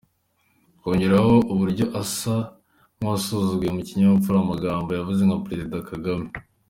Kongeraho uburyo asa nk’uwasuzuguye mu kinyabupfura amagambo yavuzwe na Perezida Kagame.